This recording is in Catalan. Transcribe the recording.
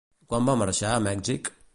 Quan va marxar a Mèxic?